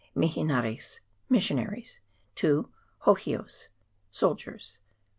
Mihaneres (missionaries). 2. Hohios (soldiers). 3.